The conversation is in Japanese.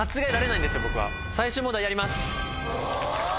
最終問題やります！